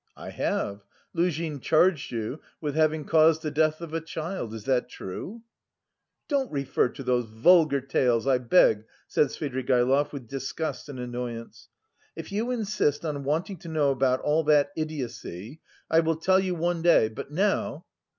"I have. Luzhin charged you with having caused the death of a child. Is that true?" "Don't refer to those vulgar tales, I beg," said Svidrigaïlov with disgust and annoyance. "If you insist on wanting to know about all that idiocy, I will tell you one day, but now..."